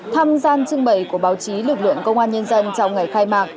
thăm gian trưng bày của báo chí lực lượng công an nhân dân trong ngày khai mạng